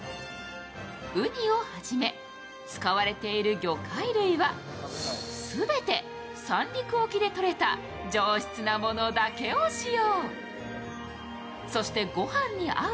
うにを初め、使われている魚介類は全て三陸沖で取れた上質なものだけを使用。